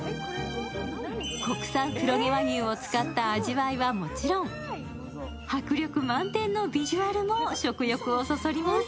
国産黒毛和牛を使った味わいはもちろん、迫力満点のビジュアルも食欲をそそります。